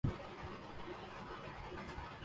ہمارے حالات جیسے ہیں۔